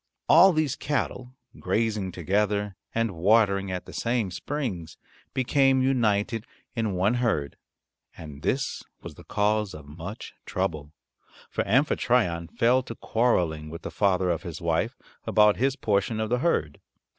All these cattle grazing together and watering at the same springs became united in one herd. And this was the cause of much trouble, for Amphitryon fell to quarreling with the father of his wife about his portion of the herd.